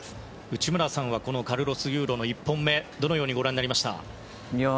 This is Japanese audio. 内村さんはカルロス・ユーロの１本目どのようにご覧になりました？